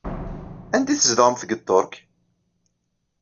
Anda i tzedɣemt deg Ṭṭerk?